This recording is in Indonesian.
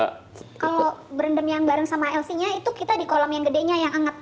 kalau berendam yang bareng sama lc nya itu kita di kolam yang gedenya yang anget